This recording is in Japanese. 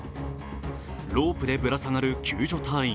ロープでぶら下がる救助隊員。